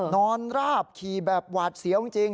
ราบขี่แบบหวาดเสียวจริง